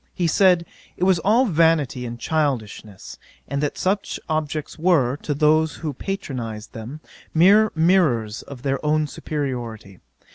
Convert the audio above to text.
He said, it was all vanity and childishness: and that such objects were, to those who patronised them, mere mirrours of their own superiority.